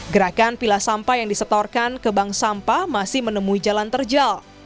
gerakan pilah sampah yang disetorkan ke bank sampah masih menemui jalan terjal